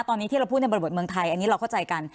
ตอนนี้ที่เราพูดในบริบทเมืองไทยอันนี้เราเข้าใจกัน